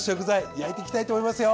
焼いていきたいと思いますよ。